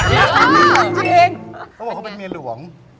เขาบอกว่ามันเป็นเมียหลวง